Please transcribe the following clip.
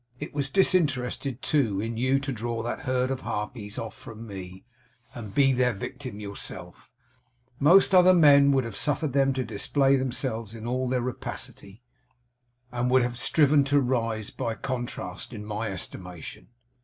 It was disinterested too, in you, to draw that herd of harpies off from me, and be their victim yourself; most other men would have suffered them to display themselves in all their rapacity, and would have striven to rise, by contrast, in my estimation.